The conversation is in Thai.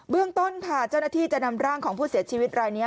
เรื่องต้นค่ะเจ้าหน้าที่จะนำร่างของผู้เสียชีวิตรายนี้